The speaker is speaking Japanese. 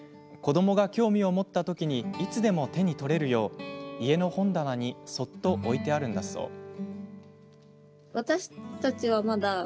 子どもが興味を持ったときにいつでも手に取れるよう家の本棚にそっと置いてあるんだそう。